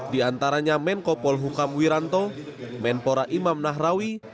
di antaranya menkopol hukam wiranto menpora imam nahrawi